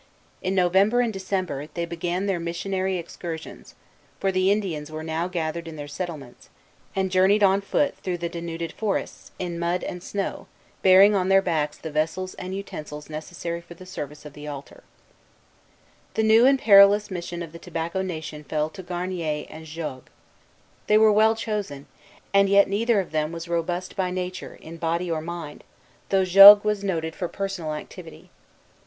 In November and December, they began their missionary excursions, for the Indians were now gathered in their settlements, and journeyed on foot through the denuded forests, in mud and snow, bearing on their backs the vessels and utensils necessary for the service of the altar. See Introduction. The new and perilous mission of the Tobacco Nation fell to Garnier and Jogues. They were well chosen; and yet neither of them was robust by nature, in body or mind, though Jogues was noted for personal activity.